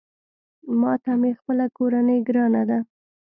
ماته مې خپله کورنۍ ګرانه ده